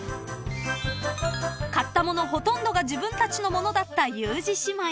［買ったものほとんどが自分たちのものだったユージ姉妹］